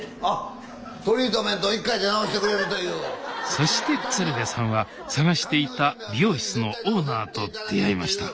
そして鶴瓶さんは探していた美容室のオーナーと出会いました